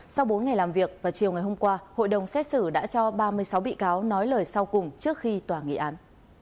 sau bốn ngày làm việc và chiều ngày hôm qua hội đồng xét xử đã cho ba mươi sáu bị cáo nói lời sau cùng trước khi tòa nghị án